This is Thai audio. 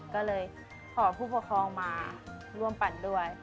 ก็เลยขอผู้ปกครองมาร่วมปั่นด้วย